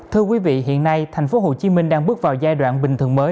thưa quý vị hiện nay thành phố hồ chí minh đang bước vào giai đoạn bình thường nhất